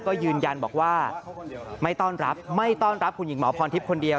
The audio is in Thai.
ก็ยืนยันบอกว่าไม่ต้อนรับไม่ต้อนรับคุณหญิงหมอพรทิพย์คนเดียว